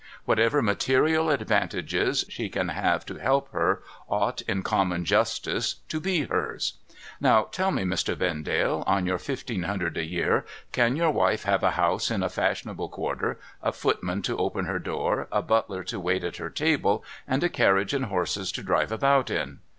W'hatever material advantages she can have to help her, ought, in common justice, to be hers. Now, tell me, Mr, Vendale, on your fifteen hundred a year can your wife have a house in a fashionable quarter, a footman to open her door, a butler to wait at her table, and a carriage and horses to drive about in